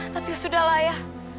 tapi sudah lah ayah